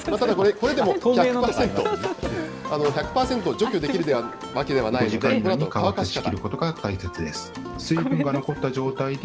これでも１００％除去できるわけではないので、このあと乾かし方。